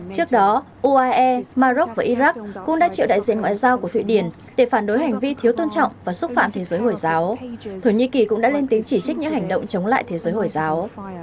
trước đó uae maroc và iraq cũng đã triệu đại diện ngoại giao của thụy điển để phản đối hành vi thiếu tôn trọng và xúc phạm thế giới hồi giáo thổ nhĩ kỳ cũng đã lên tiếng chỉ trích những hành động chống lại thế giới hồi giáo